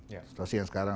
ya setelah sekarang